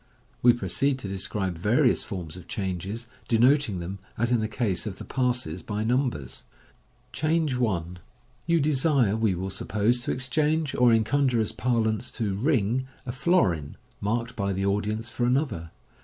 We proceed to describe various forms of changes, denoting them, as in the case of the passes, by numbers. MODERN MAGIC. 157 Change i. — You desire, we will suppose, to exchange — or, in conjuror's parlance, to " ring "— a florin, marked by the audience, for another.